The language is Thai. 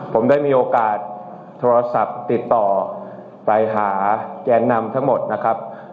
ผมได้มีโอกาสโทรศัพท์ติดต่อไปหาแกนนำทั้งหมดนะครับ